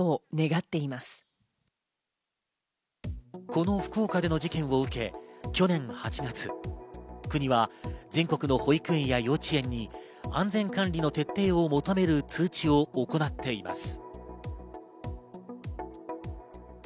この福岡での事件を受け去年８月、国は全国の保育園や幼稚園に安全管理の徹底を求める通知を行っています。